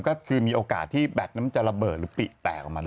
ก็คือมีโอกาสที่แบตนั้นมันจะระเบิดหรือปิแตกออกมาได้